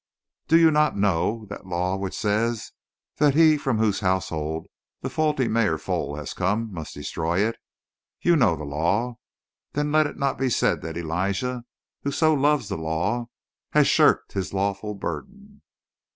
Do you not know that law which says that he from whose household the faulty mare foal has come must destroy it? You know that law. Then let it not be said that Elijah, who so loves the law, has shirked his lawful burden!"